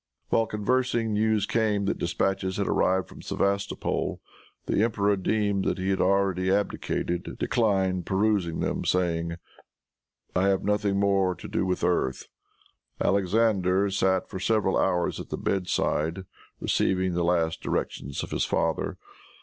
While conversing, news came that dispatches had arrived from Sevastopol. The emperor deeming that he had already abdicated, declined perusing them, saying, "I have nothing more to do with earth." Alexander sat for several hours at the bed side, receiving the last directions of his father.